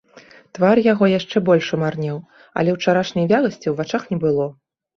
Твар яго яшчэ больш умарнеў, але ўчарашняй вяласці ў вачах не было.